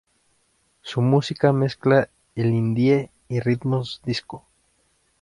Su música mezcla el Indie y ritmos disco.